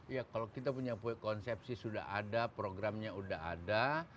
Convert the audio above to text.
ya kalau kita punya konsepsi sudah ada programnya sudah ada